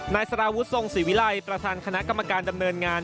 ไนท์สารวุทธทุกคนสิหวีไลประธานคณะกรรมการดำเนินงาน